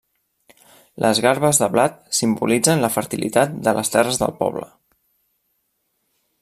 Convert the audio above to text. Les garbes de blat simbolitzen la fertilitat de les terres del poble.